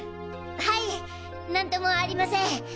はい何ともありません。